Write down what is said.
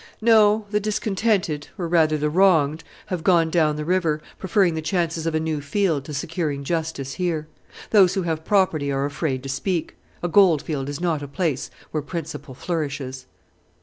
"No, the discontented, or rather the wronged, have gone down the river, preferring the chances of a new field to securing justice here. Those who have property are afraid to speak. A goldfield is not a place where principle flourishes."